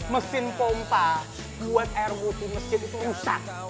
mesin pompa buat air mutu mesin itu rusak